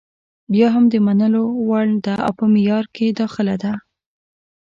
بیا هم د منلو وړ ده او په معیار کې داخله ده.